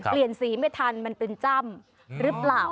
สีไม่ทันมันเป็นจ้ำหรือเปล่า